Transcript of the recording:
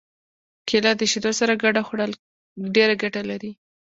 کېله د شیدو سره ګډه خوړل ډېره ګټه لري.